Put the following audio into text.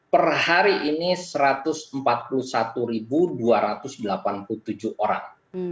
per hari ini satu ratus empat puluh satu dua ratus delapan puluh tujuh orang